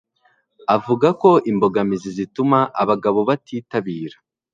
avuga ko imbogamizi zituma abagabo batitabira